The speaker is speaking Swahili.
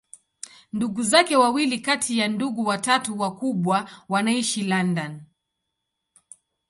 Ndugu zake wawili kati ya ndugu watatu wakubwa wanaishi London.